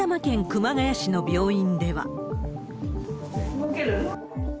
動ける？